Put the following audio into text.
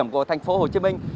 của thành phố hồ chí minh